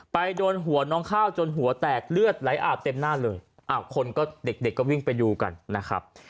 โดนหัวน้องข้าวจนหัวแตกเลือดไหลอาบเต็มหน้าเลยอ้าวคนก็เด็กเด็กก็วิ่งไปดูกันนะครับ